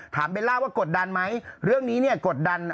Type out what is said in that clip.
เบลล่าว่ากดดันไหมเรื่องนี้เนี่ยกดดัน